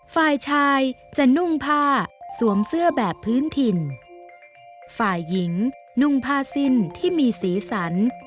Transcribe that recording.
ฝ่ายชายจะนุ่งผ้าสวมเสื้อแบบพื้นถิ่นฝ่ายหญิงนุ่งผ้าสิ้นที่มีสีสัน